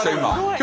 今。